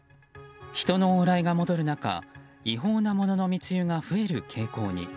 人の往来が戻る中違法なものの密輸が増える傾向に。